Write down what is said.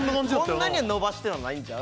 こんなには伸ばしてはないんちゃう？